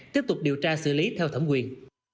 tiếp tục điều tra xử lý theo thẩm quyền